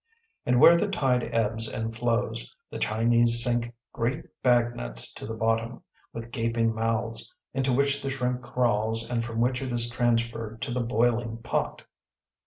And where the tide ebbs and flows, the Chinese sink great bag nets to the bottom, with gaping mouths, into which the shrimp crawls and from which it is transferred to the boiling pot.